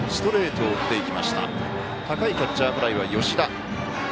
高いキャッチャーフライ、吉田。